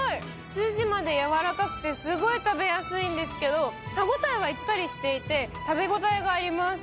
筋までやわらかくてすごい食べやすいんですけど歯応えはしっかりしていて、食べ応えがあります。